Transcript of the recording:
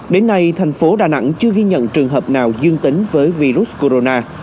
đến nay thành phố đà nẵng chưa ghi nhận trường hợp nào dương tính với virus corona